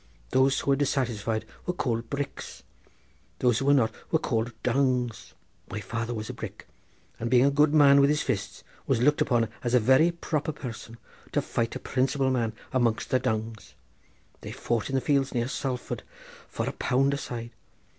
Those who were dissatisfied were called bricks; those who were not were called dungs. My father was a brick; and, being a good man with his fists, was looked upon as a very proper person to fight a principal man amongst the dungs. They fought in the fields near Salford for a pound a side.